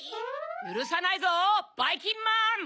ゆるさないぞばいきんまん！